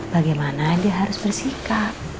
bagaimana dia harus bersikap